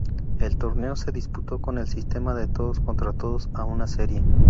El torneo se disputó con el sistema de todos contra todos a una serie.